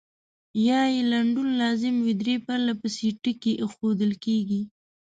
یا یې لنډون لازم وي درې پرلپسې ټکي اېښودل کیږي.